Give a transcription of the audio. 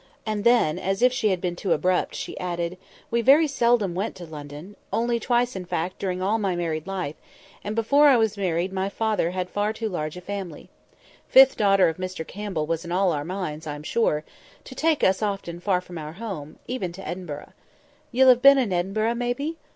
And then, as if she had been too abrupt, she added: "We very seldom went to London—only twice, in fact, during all my married life; and before I was married my father had far too large a family" (fifth daughter of Mr Campbell was in all our minds, I am sure) "to take us often from our home, even to Edinburgh. Ye'll have been in Edinburgh, maybe?"